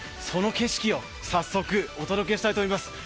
その景色を早速お届けしたいと思います。